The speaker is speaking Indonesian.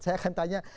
saya akan tanya